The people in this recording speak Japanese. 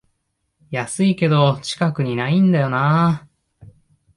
安いけど近くにないんだよなあ